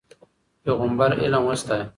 پیغمبر علم وستایه.